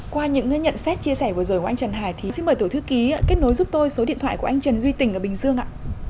qua những nhận xét chia sẻ vừa rồi của anh trần hải thì xin mời tổ thư ký kết nối giúp tôi số điện thoại của anh trần duy tình ở bình dương ạ